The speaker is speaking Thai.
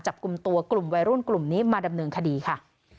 จับกลุ่มตัวกลุ่มวัยรุ่นกลุ่มนี้มาดำเนินคดีค่ะ